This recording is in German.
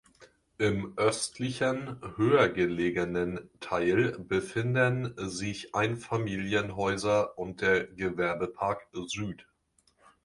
Im östlichen, höher gelegenen Teil befinden sich Einfamilienhäuser und der "Gewerbepark Süd".